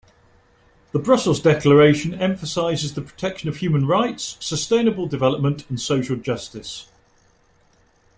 The Brussels declaration emphasises the protection of human rights, sustainable development and social justice.